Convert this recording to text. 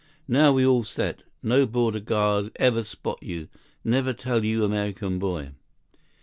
"Now, we all set. No border guard ever spot you. Never tell you American boy."